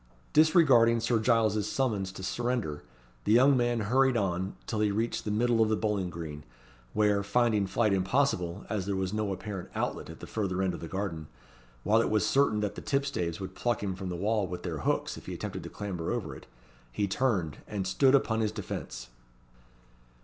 Disregarding Sir Giles's summons to surrender, the young man hurried on till he reached the middle of the bowling green, where, finding flight impossible, as there was no apparent outlet at the further end of the garden, while it was certain that the tipstaves would pluck him from the wall with their hooks if he attempted to clamber over it, he turned, and stood upon his defence.